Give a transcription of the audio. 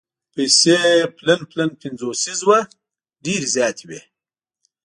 پیسې پلن پلن پنځوسیز وو ډېرې زیاتې وې.